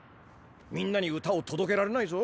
みんなに歌をとどけられないぞ。